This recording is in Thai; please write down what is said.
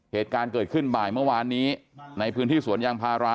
เหตุการณ์เกิดขึ้นบ่ายเมื่อวานนี้ในพื้นที่สวนยางพารา